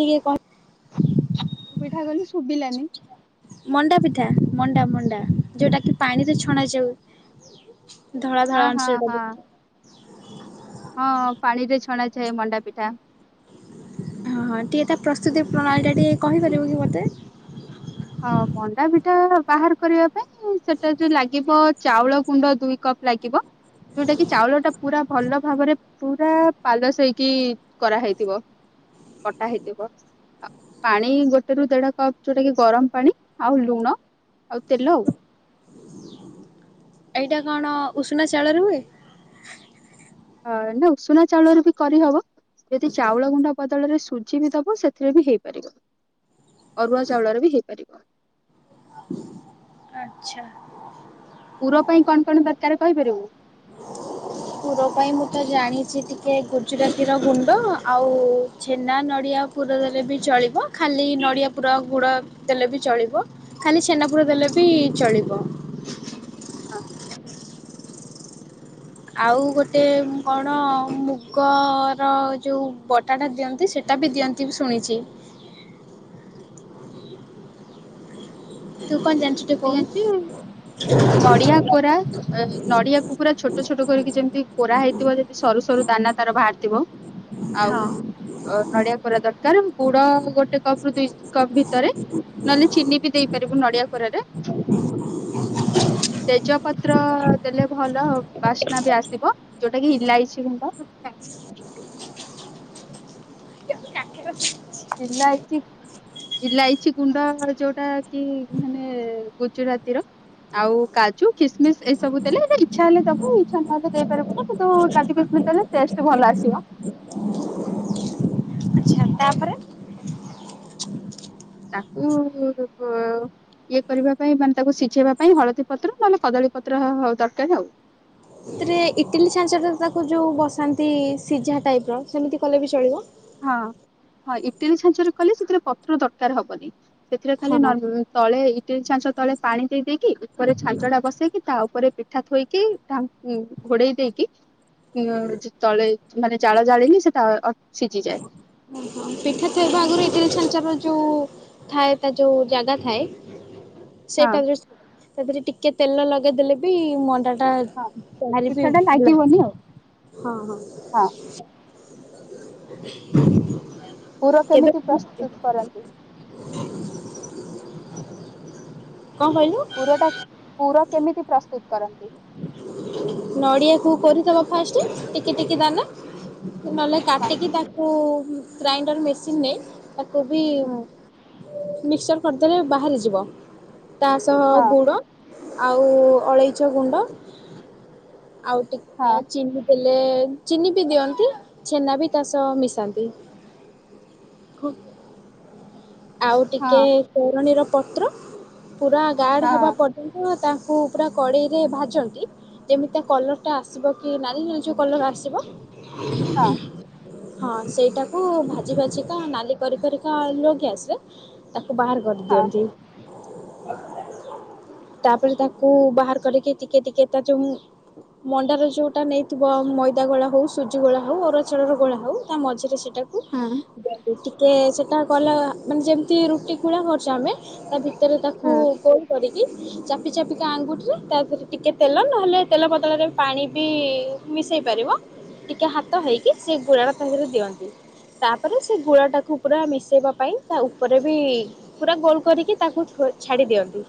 ଟିକିଏ କମ୍। ପିଠା କଲି ଶୁବିଲାନି। ମଣ୍ଡା ପିଠା ମଣ୍ଡା ମଣ୍ଡା ଯୋଉଟା କିି ପାଣିରେ ଛଣାାଯାଉ ଧଳା ଧଳା ହଁ ହଁ ଆଣିସ ହଁ ହଁ ପାଣି ରେ ଛଣାଯାଏ ମଣ୍ଡା ପିଠା। ହଁ ହଁ ଟିକେ ତା ପ୍ରସ୍ତୁତି ପ୍ରଣାଳୀଟା ଟିକେ କହିପାରିବୁ କି ମୋତେ? ହଁ ମଣ୍ଡାପିଠା ବାହାର କରିବା ପାଇଁ ସେଟାରେ ଯୋଉ ଲାଗିବ ଚାଉଳ ଗୁଣ୍ଡ ଦୁଇ କପ୍। ଲାଗିବ ଯୋଉଟା କିି ଚାଉଳ ଟା ପୁରା ଭଲ ଭାବରେ ପୁରା ପାଲସ ହେଇକି କରାହେଇଥିବ କଟା ହେଇଥିବ। ଆ ପାଣି ଗୋଟେ ରୁ ଦେଢ କପ୍ ଯୋଉଟା କି ଗରମ ପାଣି ଆଉ ଲୁଣ ଆଉ ତେଲ ଆଉ। ଏଇଟା କଣ ଉଷୁନା ଚାଉଳରେ ହୁଏ? ନା ଉଷୁନା ଚାଉଳରେ ବି କରିହବ। ଯଦି ଚାଉଳ ଗୁଣ୍ଡ ବଦଳରେ ସୁଜି ବି ଦବ ସେଥିରେ ବି ହେଇପାରିବ। ଅରୁଆ ଚାଉଳର ବି ହେଇପାରିବ। ଆଚ୍ଛା। ପୁର ପାଇଁ କଣ କଣ ଦରକାର କହିପାରିବୁ। ପୁର ପାଇଁ ମୁଁ ତ ଜାଣିଛି ଟିକେ ଗୁଜୁରାତିର ଗୁଣ୍ଡ ଆଉ ଛେନା ନଡ଼ିଆ ପୁର ଦେଲେ ବି ଚଳିବ। ଖାଲି ନଡ଼ିଆ ପୁର ଗୁଡ଼ ଦେଲେ ବି ଚଳିବ। ଖାଲି ଛେନାପୁର ଦେଲେ ବି ଚଳିବ। ହଁ। ଆଉ ଗୋଟେ କଣ ମୁଗର ଯୋଉ ବ ଟାଟା ଦିଅନ୍ତି ସେଇଟା ବି ଦିଅନ୍ତି ବି ଶୁଣିଚି। ତୁ କଣ ଜାଣିଚୁ? ନଡିଆ କୋରା ନଡିଆକୁ ପୁରା ଛୋ ଛୋଟ ଛୋଟ କରିକି ଯେମିତି କୋରା ହେଇଥିବ ଯେମିତି ସରୁ ସରୁ ଦାନା ତାର ବାହାରିଥିବ। ଆଉ ଅ ନଡିଆ କୋରା ଦରକାର। ଗୁଡ ଗୋଟେ କପରୁ ଦୁଇ କପ୍ ଭିତରେ। ନହେଲେ ଚିନି ବି ଦେଇପାରିବୁ ନଡିଆ କୋରାରେ। [inaudible] ତେଜ ପତ୍ର ଦେଲେ ଭଲ ବାସ୍ନା ବି ଆସିବ ଯୋଉଟା କି ଇଲାଇଚି ଗୁଣ୍ଡ। ଆଚ୍ଛା ଇଲାଇଚି ଇଲାଇଚି ଗୁଣ୍ଡ ଯୋଉଟା କି ମାନେ ଗୁଜୁରାତିର। ଆଉ କାଜୁ ଖିସମିସ୍ ଏସବୁ ଦେଲେ ଏଇଟା ଇଛା ହେଲେ ଦେବୁ ଇଚ୍ଛା ନ ହେଲେ ଦେଇ ପାରିବୁ କିନ୍ତୁ କାଜୁ କିସମିସ୍ ଦେଲେ ଟେଷ୍ଟ ଭଲ ଆସିବ। ତା ପରେ ତାକୁ ଇଏ କରିବା ପାଇଁ ମାନେ ତାକୁ ସିଝେଇବା ପାଇଁ ହଳଦୀ ପତ୍ର ନହେଲେ କଦଳୀ ପତ୍ର ଦରକାର ଆଉ। ସେଥିରେ ଇଟିଲି ଛାଞ୍ଚଟା ତାକୁ ଯେଉଁ ବସାନ୍ତି ସିଝା ଟାଇପର ସେମିତି କଲେ ବି ଚଳିବ। ହଁ ହଁ ଇଟିଲି ଛାଞ୍ଚରେ କଲେ ସେଥିରେ ପତ୍ର ଦରକାର ହବନି। ସେଥିରେ ହଁ। ଖାଲି ହଁ ନ ତଳେ ଇଟିଲି ଛାଞ୍ଚ ତଳେ ପାଣି ଦେଇ ଦେଇକି ଉପରେ ଛାଞ୍ଚଟା ବସେଇକି ତା ଉପରେ ପିଠା ଥୋଇକି ଢାଙ୍କ ଘୋଡେଇ ଦେଇକି ଉଁ ତଳେ ମାନେ ଜାଳ ଜାଳିଲେ ସେଟା ସିଝି ଯାଏ। ପିଠା ଥୋଇବା ଆଗରୁ ଇଟିଲି ଛାଞ୍ଚରେ ଯୋଉ ଥାଏ ତା ଯୋଉ ଜାଗା ଥାଏ। [inaudible] ସେଟା ଯୋଉ ତା ଧିରେ ଟିକେ ତେଲ ଲଗେଇ ଦେଲେ ବି ମଣ୍ଡାଟା ହଁ ପିଠା ଟା ଲାଗିବନି ଆଉ। ହଁ। ପୁର କେବେ କେମିତି ପ୍ରସ୍ତୁତ କରନ୍ତି କଣ କହିଲୁ? ପୁରଟା ପୁର କେମିତି ପ୍ରସ୍ତୁତ କରନ୍ତି? ନଡ଼ିଆକୁ କୋରିଦବ ଫାଷ୍ଟ। ଟିକେ ଟିକେ ଦାନା ନହେଲେ ହଁ କାଟିକି ତାକୁ ଗ୍ରାଇଣ୍ଡର ମେସିନରେ ତାକୁ ବି ହୁଁ, ମିକ୍ସଚର୍ କରିଦେଲେ ବାହାରିଯିବ। ତା ସହ ହଁ ଗୁଡ଼ ଆଉ ଅଳେଇଚ ଗୁଣ୍ଡ ଆଉ ଟିକ୍ ହଁ ଚିନି। ହେଲେ ଚିନି ବି ଦିଅନ୍ତି ଛେନା ବି ତା ସହ ମିଶାନ୍ତି। ଆଉ ଟିକେ ହଁ। ତୋରଣୀର ପତ୍ର ପୁରା ହଁ ଗାଡ ହବା ପର୍ କିନ୍ତୁ ତାଙ୍କୁ ପୁରା କଡ଼େଇରେ ଭାଜନ୍ତି। ଯେମିତି କଲର ଟା ଆସିବ କି ନାଲି ନାଲି କଲର ଆସିବ। ହଁ। ହଁ ସେଇଟାକୁ ଭାଜି ଭାଜିିକା ନାଲି କରି କରିକା ଲଗି ଆସେ। ତାକୁ ବାହାର କରି ହଁ ଦିଅନ୍ତି। ତାପରେ ତାକୁ ବାହାର କରିକି ଟିକେ ଟିକେ ତା ଯୋଉ ମଣ୍ଡାର ଯୋଉଟା ନେଇଥିବ ମଇଦା ଗଳା ହଉ ସୁଜି ଗୋଳା ହଉ ଅରୁଚଳ ର ଗଳା ହଉ ତା ମଝିରେ ସେଟା ହୁଁ ଟିକେ ସେଟା ଗଲା ମାନେ ଯେମିତି ରୁଟି ଗୁଳା କରୁନ୍ତି ତା ଭିତରେ ତାକୁ ହୁଁ କେ କରିକି ଚାପି ଚାପିକା ଆଙ୍ଗୁଠିରେ ତା ଦେରେ ଟିକେ ତେଲ ନହେଲେ ତେଲ ବଦଳରେ ପାଣି ବି ମିଶେଇ ପାରିବ ଟିକେ ହାତ ହେଇକି ସେ ଗୁଳା ସାଙ୍ଗରେ ଦିଅନ୍ତି। ତାପରେ ସେ ଗୁଳାଟାକୁ ପୁରା ମିଶାଇବା ପାଇଁ ତା ଉପରେ ବି ପୁରା ଗୋଲ କରିକି ତାକୁ ଛାଡି ଦିଅନ୍ତି।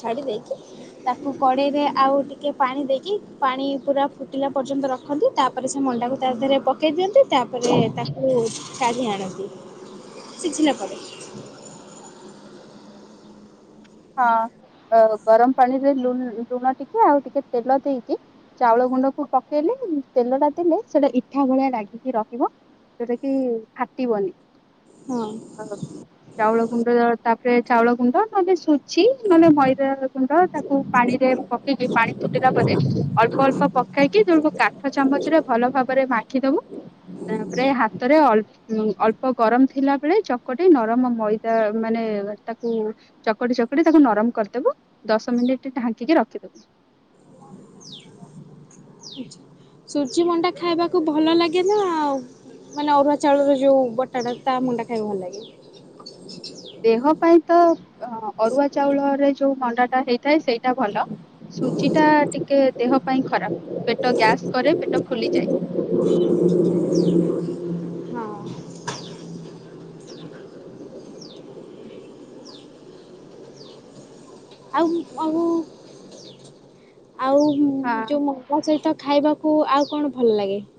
ଛାଡ଼ି ଦେଇକି ତାକୁ କଡେଇରେ ଆଉ ଟିକେ ପାଣି ଦେଇକି ପାଣି ପୁରା ଫୁଟିଲା ପର୍ଯ୍ୟନ୍ତ ରଖ ରଖନ୍ତି ତାପରେ ସେ ମଣ୍ଡାକୁ ତା ଦେହରେ ପକେଇ ଦିଅନ୍ତି ତାପରେ ହଁ। ତାକୁ କାଢିଆଣନ୍ତି। ସିଝିଲା ପରେ। ହଁ ଗରମ ପାଣିରେ ଲୁଣ ଟିକେ ଆଉ ଟିକେ ତେଲ ଦେଇକି। ଚାଉଳ ଗୁଣ୍ଡକୁ ପକେଇଲେ ତେଲଟା ଦେଲେ ସେଟା ଇଠା ଭଳିଆ ଲାଗିକି ରଖିବ। ଯୋଉଟା କି ଫାଟିବନି। ହଁ ହ ଚାଉଳ ଗୁଣ୍ଡ ତାପରେ ଚାଉଳ ଗୁଣ୍ଡ ନହେଲେ ସୁ ଅଛି ନହେଲେ ମଇଦା ଗୁଣ୍ଡ ତାକୁ ପାଣିରେ ପକେଇବି ପାଣି ଫୁଟିଲା ପରେ ଅଳ୍ପ ଅଳ୍ପ ପକେଇକି ତମ କାଠ ଚାମଚରେ ଭଲ ଭାବରେ ମାଖିଦବୁ। ତାପରେ ହାତରେ ଅଳ୍ପ ଉ ଅଳ୍ପ ଗରମ ଥିଲା ବେଳେ ଚକଟି ନରମ ମଇଦା ମାନେ ତାକୁ ଚକଟି ଚକଟି ତାକୁ ନରମ କରିଦବୁ ଦଶ ମିନିଟ ଢାଙ୍କିକି ରଖିଦବୁ। [inaudible] ସୁଜି ମଣ୍ଡା ଖାଇବାକୁ ଭଲ ଲାଗେ ନା ଆଉ? ମାନେ ଅରୁଆ ଚାଉଳର ଯୋଉ ବଟାଟା ତା ମଣ୍ଡା ଖାଇବାକୁ ଭଲ ଲାଗେ? ଦେହ ପାଇଁ ତ ଅରୁଆ ଚାଉଳରେ ଯୋଉ ମଣ୍ଡାଟା ହେଇଥାଏ ସେଇଟା ଭଲ। ସୁଜି ଟା ଟିକେ ଦେହ ପାଇଁ ଖରାପ ପେଟ ଗ୍ୟାସ୍ କରେ ପେଟ ଫୁଲିଯାଏ। ହଁ। ଆଉ ଆଉ ଆଉ ହଁ ଯୋଉ [unintelligible]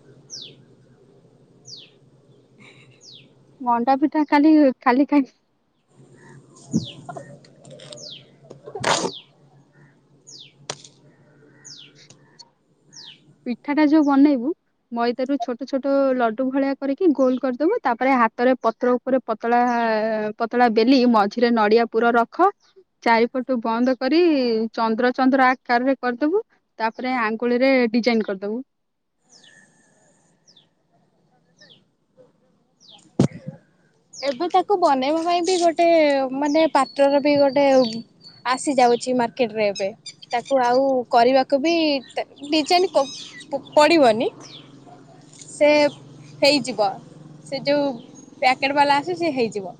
ମଣ୍ଡା ପିଠା ଖାଲି ଖାଲି ଖାଇ ପିଠାଟା ଯୋଉ ବନେଇବୁ। ମଇଦାରୁ ଛୋଟ ଛୋଟ ଲଡୁ ଭଳିଆ କରିକି ଗୋଲ କରିଦବୁ ତାପରେ ହାତରେ ପତ୍ର ଉପରେ ପତଳା ପତଳା ବେଲି ମଝିରେ ନଡିଆ ପୁର ରଖ। ଚାରିପଟୁ ବନ୍ଦ କରି ଚନ୍ଦ୍ର ଚନ୍ଦ୍ର ଆକାରରେ କରିଦବ। ତାପରେ ଆଙ୍ଗୁଳି ରେ ଡିଜାଇନ କରିଦବୁ। ଏବେ ତାକୁ ବନେଇବା ପାଇଁ ବି ଗୋଟେ ମାନେ ପାତ୍ରରବି ଗୋଟେ ଆସିଯାଉଛି ମାର୍କେଟରେ ଏବେ। ତାକୁ ଆଉ କରିବାକୁ ବି ଡିଜାଇନ ପଡ଼ିବନି। ସେ ହେଇଯିବ ସେ ଯୋଉ [unintelligible] ବାଲା ଆସେ ସିଏ ହେଇଯିବ।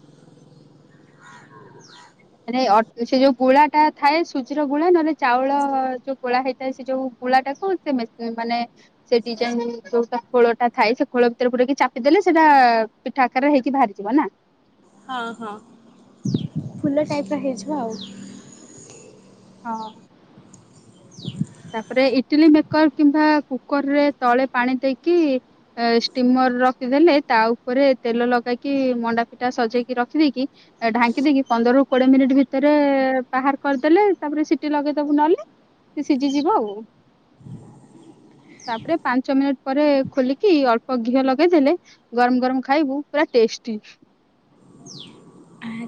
[unintelligible] ସେ ଯେଉୁଁ ଗୋଳାଟା ଥାଏ ସୁଜିର ଗୋଳା ନ ହେଲେ ଚାଉଳ ଯେଉଁ ଗୋଳା ହୋଇଥାଏ ସେ ଯେଉଁ ରେ ଗୋଳା ଟାକୁ ସେ ମେସ ମାନେ ସେ ଡ଼ିଜାଇନ ଯୋଉଟା ଖୋଳଟା ଥାଏ ସେ ଖୋଳ ଭିତରେ ପୁରାଇ ଚାପି ଦେଲେ ସେ ଟା ପିଠା ଆକାର ହେଇକି ବାହାରି ଯିବ ନା? ହଁ ହଁ ଫୁଲ ଟାଇପର ହେଇଯିବ ଆଉ। ହଁ। ତାପରେ ଇଟିଲି ମେକର କିମ୍ବା କୁକର ରେ ତଳେ ପାଣି ଦେଇକି ଷ୍ଟିମର ରଖିଦେଲେ ତା ଉପରେ ତେଲ ଲଗେଇକି ମଣ୍ଡା ପିଟା ସଜେଇକି ରଖିଦେଇକି ଢାଙ୍କି ଦେଇକି ପନ୍ଦରରୁ କୋଡିଏ ମିନିଟ୍ ଭିତରେ ବାହାର କରିଦେଲେ ତାପରେ ସିଟି ଲଗେଇଦବୁ ନହେଲେ। ସିଝି ଯିବ ଆଉ। ତାପରେ ପାଞ୍ଚ ମିନିଟ ପରେ ଖୋଲିକି ଅଳ୍ପ ଘିଅ ଲଗେଇଦେଲେ ଗରମ ଗରମ ଖାଇବୁ ପୁରା ଟେଷ୍ଟି।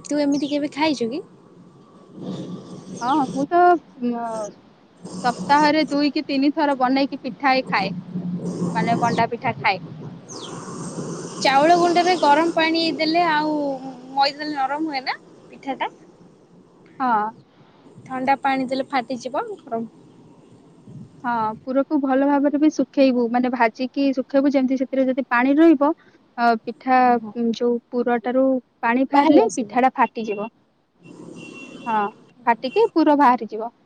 ତୁ ଏମିତି କେବେ ଖାଇଚୁ କି? ହଁ ମୁଁ ତ [unintelligible] ସପ୍ତାହରେ ଦୁଇ କି ତିନି ଥର ବନେଇକି ପିଠା ହେ ଖାଏ। ମାନେ ମଣ୍ଡା ପିଠା ଖାଏ। ଚାଉଳ ଗୁଣ୍ଡରେ ଗରମ ପାଣି ଦେଲେ ଆଉ ମଇଦେଲେ ନରମ ହୁଏ ନା ପିଠାଟା? ହଁ। ଥଣ୍ଡା ପାଣି ଦେଲେ ଫାଟିଯିବ। ହଁ ପୁରକୁ ଭଲ ଭାବରେ ବି ଶୁଖେଇବୁ। ମାନେ ଭାଜିକି ଶୁଖେଇବୁ ଯେମିତି ସେଥିରେ ଯଦି ପାଣି ରହିବ ଅ ପିଠା ଯୋଉ ପୁରଟାରୁ ପାଣି ବାହାରି ବାହାରିଲେ ଆସିବ। ପିଠା ଟା ଫାଟିଯିବ ହଁ ଫାଟିକି ପୁର ବାହାରିଯିବ।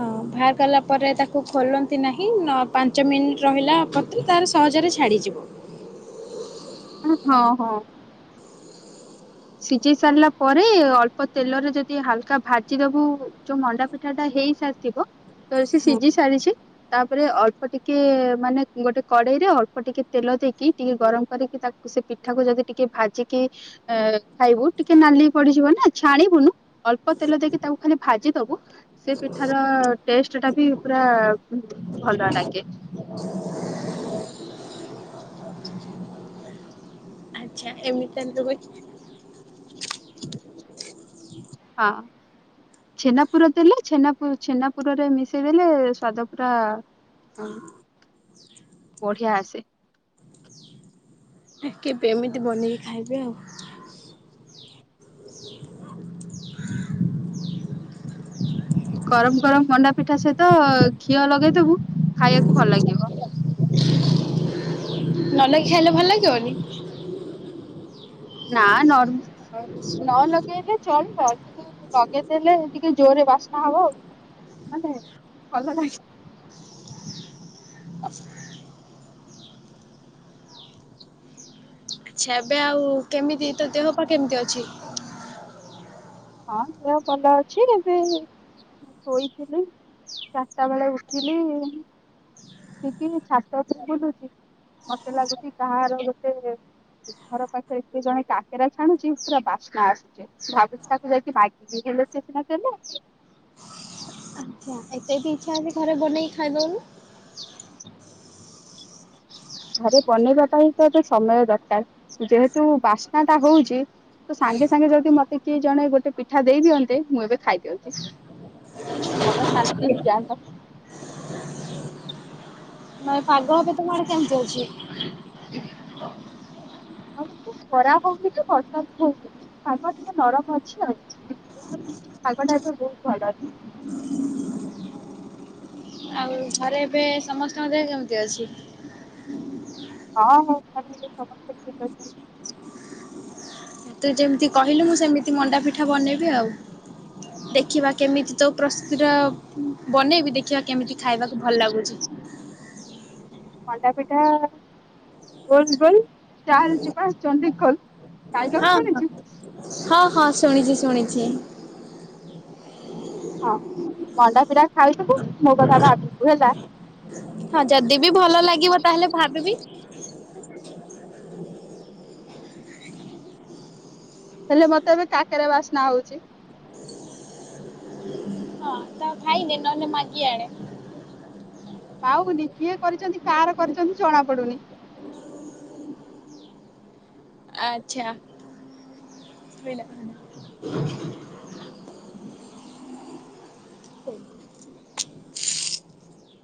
ହଁ ବାହାର ଗଲା ପରେ ତାକୁ ଖୋଲନ୍ତି ନାହିଁ ପାଞ୍ଚ ମିନିଟ ରହିଲା ପରେ ତାର ସହଜରେ ଛାଡ଼ିଯିବ ହଁ ହଁ। ସିଝେଇ ସାରିଲା ପରେ ଅଳ୍ପ ତେଲରେ ଯଦି ହାଲକା ଭାଜିଦବୁ ଯୋଉ ମଣ୍ଡା ପିଠା ଟା ହେଇ ସାରିଥିବ ତ ସେ ହଁ। ସିଝି ସାରିଚି। ତାପରେ ଅଳ୍ପ ଟିକେ ମାନେ ଗୋଟେ କଡେଇ ରେ ଅଳ୍ପ ଟିକେ ତେଲ ଦେଇକି ଟିକେ ଗରମ କରିକି ତାକୁ ସେ ପିଠାକୁ ଯଦି ଟିକେ ଭାଜିକି ଖାଇବୁ ଟିକେ ନାଲି ପଡିଯିବ ନା ଛାଣିବୁନୁ ଅଳ୍ପ ତେଲ ଦେଇକି ତାକୁ ଖାଲି ଭାଜି ଦବୁ ସେ ପିଠାରଟେଷ୍ଟ ଟା ବି ପୁରା ଭଲ ଲାଗେ। ଆଛା ଏମିତି [unintelligible] ହଁ। ଛେନାପୁର ଦେଲେ ଛେନାୁପୁ ଛେନାପୁରରେ ମିଶେଇ ଦେଲେ ସ୍ୱାଦ ପୁରା ହଁ ବଢିଆ ଆସେ। ଆ କେବେ ଏମିତି ବନେଇକି ଖାଇବେ ଆଉ। ଗରମ ଗରମ ମଣ୍ଡା ପିଠା ସହିତ ଘିଅ ଲଗେଇଦବୁ ଖାଇବାକୁ ଭଲ ଲାଗିବ। ନ ଲଗେଇ କି ଖାଇଲେ ଭଲ ଲାଗିବନି? ନା ନ ନ ଲଗେଇଲେ ଚଳିବ କିନ୍ତୁ ଲଗେଇଦେଲେ ଟିକେ ଜୋରରେ ବାସ୍ନା ହବ ଆଉ। ମାନେ ଭଲ ଲାଗିବ। ଆଛା ଏବେ ଆଉ କେମିତି ତ ଦେହ ପା କେମିତି ଅଛି? ହଁ ଦେହ ଭଲ ଅଛି। ଏବେ ଶୋଇଥିଲି ଚାରିଟା ବେଳେ ଉଠିଲି। ଠିକ ଛାତ ଉପରେ ବୁଲୁଚି ମତେ ଲାଗୁଚି କାହାର ଗୋଟେ ଘର ପାଖରେ କିଏ ଜଣେ କାକେରା ଛାଣୁଛି ପୁରା ବାସ୍ନା ଆସୁଛି। ଭାବୁଛି ତାକୁ ଯାଇକି ମାଗିବି ହେଲେ ସିଏ ସିନା ଦେଲେ। ଆଚ୍ଛା ଏତେ ଜଦି ଇଚ୍ଛା ଅଛି ଘରେ ବନେଇକି ଖାଇ ଦଉନୁ। ଘରେ ବନେଇବା ପାଇଁ ତ ତ ସମୟ ଦରକାର ଯେହେତୁ ବାସ୍ନା ଟା ହଉଛି ତ ସାଙ୍ଗେ ସାଙ୍ଗେ ଯଦି ମତେ କିଏ ଜଣେ ଗୋଟେ ପିଠା ଦେଇ ଦିଅନ୍ତେ ମୁଁ ଏବେ ଖାଇଦିଅନ୍ତି। ମନ ଶାନ୍ତି ହେଇ ଯାଆନ୍ତା ନାଇଁ ପାଗ ଏବେ ତମ ଆଡେ କେମିତି ଅଛି? ହଁ ଦିଦି ଖରା ହଉନି କି ବର୍ଷା ବି ହଉନି ପାଗ ଟିକେ ନରମ ଅଛି ଆଉ। ପାଗଟା ଏବେ ବହୁତ୍ ଭଲ ଅଛି [unintelligible] ଆଉ ଘରେ ଏବେ ସମସ୍ତଙ୍କ ଦେହ କେମିତି ଅଛି? ହଁ ମୋ ଫ୍ୟାମିଲି ରେ ସମସ୍ତେ ଠିକ୍ ଅଛନ୍ତି। ତୁ ଯେମିତି କହିଲୁ ମୁଁ ସେମିତି ମଣ୍ଡା ପିଠା ବନେଇବି ଆଉ। ଦେଖିବା କେମିତି ତୋ ପ୍ରସ୍ତୁତି ଟା ବନେଇବି ଦେଖ ଦେଖିଆ କେମିତି ଖାଇବାକୁ ଭଲ ଲାଗୁଛି। ମଣ୍ଡା ପିଠା ଗୋଲ୍ ଗୋଲ୍ ଚାଲ୍ ଯିବା ଚଣ୍ଡିଖୋଲ୍। ହଁ, ହଁ, ହଁ, ହଁ ଶୁଣିଛି ଶୁଣିଛି। ହଁ ମଣ୍ଡାପିଠା ଖାଇଥିବୁ ମୋ କଥା ଭାବିବୁ ହେଲା। ହଁ ଯଦି ବି ଭଲ ଲାଗିବ ତାହେଲେ ଭାବିବି। ହେଲେ ମତେ ଏବେ କାକେରା ବାସ୍ନା ହଉଛି। ହଁ ତ ଖାଇ ଯେ ନ ହେଲେ ମାଗି ଆଣେ [unintelligible] ପାଉନି କିଏ କରିଛନ୍ତି କାହାର କରିଛନ୍ତି ଜଣା ପଡୁନି। ଆଚ୍ଛା ଖାଇଲା [unintelligible]